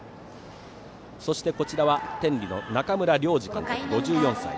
そして天理の中村良二監督５４歳。